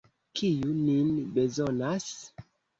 Kiu nin bezonas?